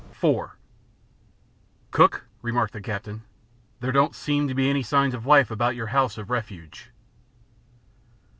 IV "Cook," remarked the captain, "there don't seem to be any signs of life about your house of refuge."